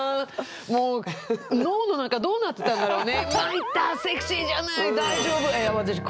もう脳の中どうなってたんだろうね。